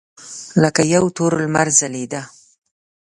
لکه یو تور لمر ځلېده.